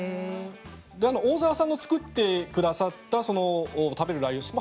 大澤さんが作ってくださった食べるラー油